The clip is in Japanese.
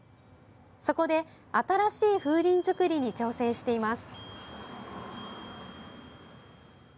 そこで、新しい風鈴づくりに挑戦しています。